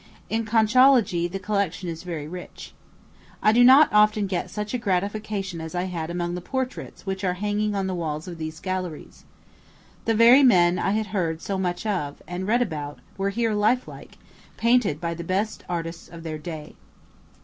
In conchology the collection is very rich. I do not often get such a gratification as I had among the portraits which are hanging on the walls of these galleries. The very men I had heard so much of, and read about, were here lifelike, painted by the best artists of their day.